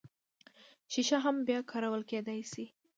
شیشه هم بیا کارول کیدی شي